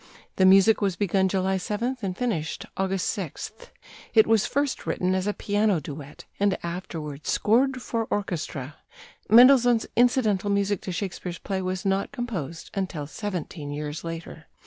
The music was begun July 7th, and finished August 6th. It was first written as a piano duet, and afterwards scored for orchestra. Mendelssohn's incidental music to Shakespeare's play was not composed until seventeen years later.